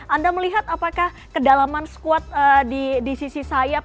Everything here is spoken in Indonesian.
anda melihat apakah kedalaman squad di sisi sayap